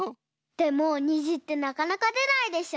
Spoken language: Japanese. でもにじってなかなかでないでしょ？